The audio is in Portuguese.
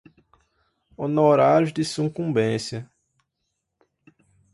honorários de sucumbência